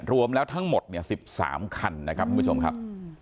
รวมแล้วทั้งหมดเนี่ย๑๓คันนะครับคุณผู้ชมครับ